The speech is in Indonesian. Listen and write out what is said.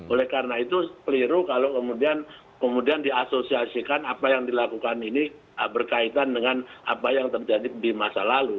oleh karena itu keliru kalau kemudian diasosiasikan apa yang dilakukan ini berkaitan dengan apa yang terjadi di masa lalu